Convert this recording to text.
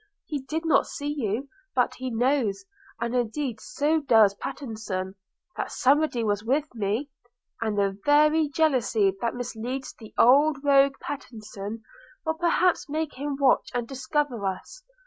He did not see you; but he knows, and indeed so does Pattenson, that somebody was with me; and the very jealousy that misleads the old rogue Pattenson, will perhaps make him watch and discover us.